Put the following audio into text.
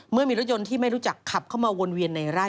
เมื่อมีรถยนต์ที่ไม่รู้จักขับเข้ามาวนเวียนในไร่